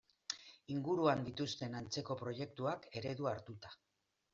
Inguruan dituzten antzeko proiektuak eredu hartuta.